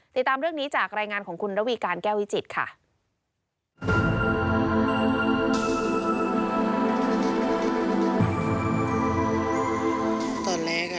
ติดตามเรื่องนี้จากรายงานของคุณระวีการแก้ววิจิตรค่ะ